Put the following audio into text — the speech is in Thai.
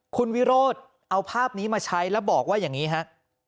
คุณวิโรธเอาภาพนี้มาใช้แล้วบอกว่าอย่างนี้ฮะ